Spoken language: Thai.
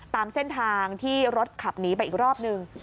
ตามเส้นทางที่รถขับหนีไปอีกรอบนึง